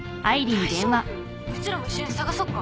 うちらも一緒に捜そっか？